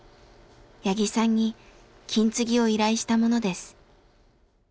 八木さんに金継ぎを依頼したものです。